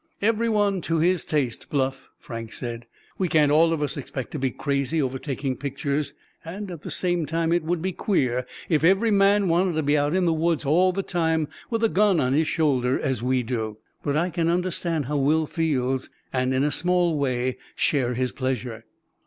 "Every one to his taste, Bluff," Frank said. "We can't all of us expect to be crazy over taking pictures. And at the same time it would be queer if every man wanted to be out in the woods all the time with a gun on his shoulder, as we do. But I can understand how Will feels, and in a small way share his pleasure."